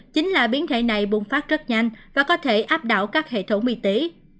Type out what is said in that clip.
chính là biến thể này bùng phát rất nhanh và có thể áp đảo các hệ thống y tế